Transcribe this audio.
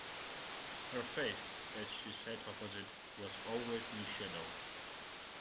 Her face, as she sat opposite, was always in shadow.